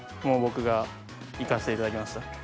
もう僕が行かしていただきました。